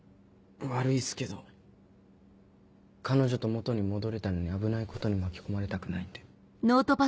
悪いっすけど彼女と元に戻れたのに危ないことに巻き込まれたくないんで。